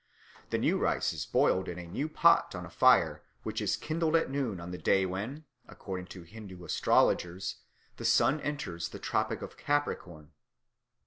The new rice is boiled in a new pot on a fire which is kindled at noon on the day when, according to Hindoo astrologers, the sun enters the tropic of Capricorn.